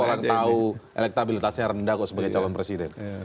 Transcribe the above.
orang tahu elektabilitasnya rendah kok sebagai calon presiden